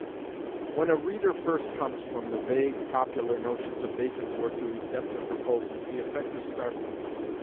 When a reader first comes from the vague, popular notions of Bacon's work to his definite proposals the effect is startling.